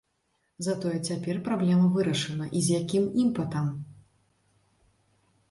Затое цяпер праблема вырашана, і з якім імпэтам!